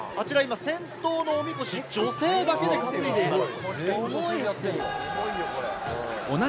先頭のおみこし、女性だけで担いでいます。